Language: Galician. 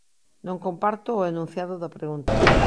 Non comparto o enunciado da pregunta.